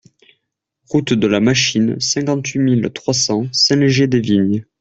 Route de la Machine, cinquante-huit mille trois cents Saint-Léger-des-Vignes